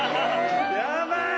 やばい！